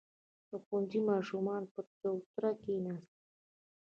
• د ښوونځي ماشومان پر چوتره کښېناستل.